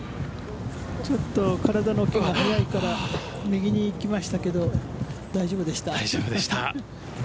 ちょっと体が開いたら右に行きましたけど大丈夫でした。